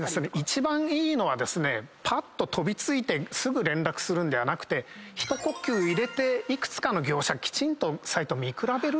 一番いいのはですねぱっと飛び付いてすぐ連絡するんではなくて一呼吸入れて幾つかの業者きちんとサイトを見比べる。